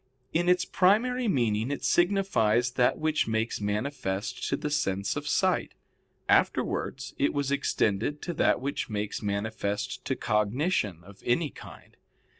In its primary meaning it signifies that which makes manifest to the sense of sight; afterwards it was extended to that which makes manifest to cognition of any kind.